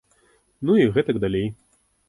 Ну, і гэтак далей.